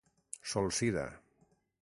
Solsida: